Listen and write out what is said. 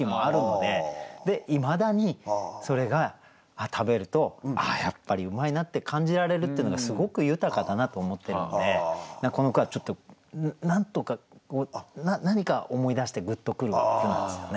でいまだにそれが食べるとああやっぱりうまいなって感じられるっていうのがすごく豊かだなと思ってるのでこの句はちょっとなんとかこう何か思い出してグッと来る句なんですよね。